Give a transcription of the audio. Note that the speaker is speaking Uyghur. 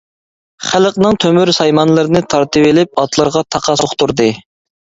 خەلقنىڭ تۆمۈر سايمانلىرىنى تارتىۋېلىپ ئاتلىرىغا تاقا سوقتۇردى.